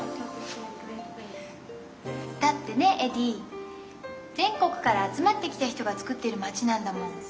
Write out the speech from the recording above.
だってねエディ全国から集まってきた人が作ってる町なんだもん。